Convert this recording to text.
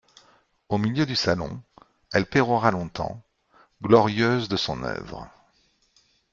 Au milieu du salon, elle pérora longtemps, glorieuse de son œuvre.